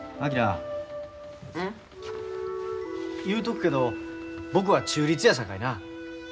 言うとくけど僕は中立やさかいな。